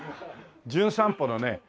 『じゅん散歩』のね